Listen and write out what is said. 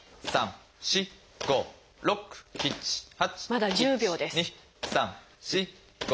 まだ１０秒です。